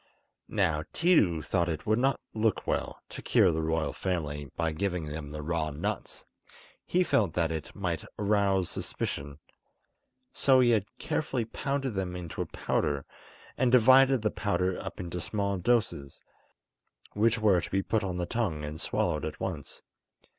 Now Tiidu thought it would not look well to cure the royal family by giving them the raw nuts; he felt that it might arouse suspicion. So he had carefully pounded them into a powder, and divided the powder up into small doses, which were to be put on the tongue and swallowed at once.